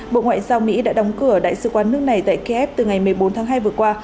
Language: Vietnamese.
bộ ngoại giao mỹ đã đóng cửa đại sứ quán nước này tại kiev từ ngày một mươi bốn tháng hai vừa qua